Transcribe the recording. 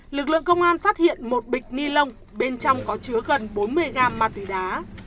lực lượng công an phát hiện một bịch ni lông bên trong có chứa gần bốn mươi gram ma túy đá